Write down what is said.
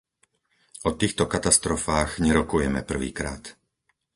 O týchto katastrofách nerokujeme prvýkrát.